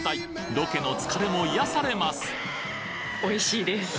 ロケの疲れも癒やされます